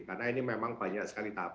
karena ini memang banyak sekali tahap